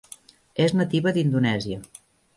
És nativa d'Indonèsia.